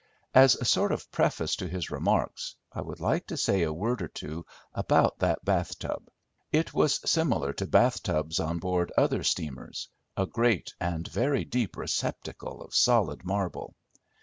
As a sort of preface to his remarks, I would like to say a word or two about that bath tub. It was similar to bath tubs on board other steamers; a great and very deep receptacle of solid marble.